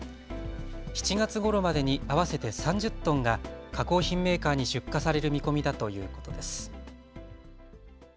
７月ごろまでに合わせて３０トンが加工品メーカーに出荷される見込みだということです。